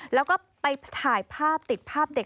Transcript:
แล้วก็ไปถ่ายภาพติดภาพเด็ก